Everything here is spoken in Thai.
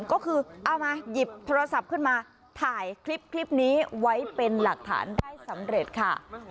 ก็คือเอามาหยิบโทรศัพท์ขึ้นมาถ่ายคลิปนี้ไว้เป็นหลักฐานได้สำเร็จค่ะ